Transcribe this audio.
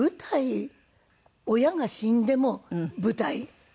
親が死んでも舞台。